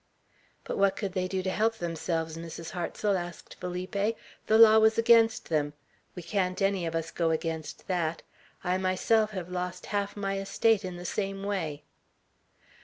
"But what could they do to help themselves, Mrs. Hartsel?" asked Felipe. "The law was against them. We can't any of us go against that. I myself have lost half my estate in the same way."